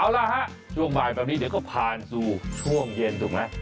เอาล่ะฮะช่วงบ่ายแบบนี้เดี๋ยวก็ผ่านสู่ช่วงเย็นถูกไหม